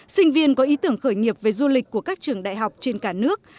sinh viên có ý tưởng khởi nghiệp về du lịch của các trường đại học trên cả nước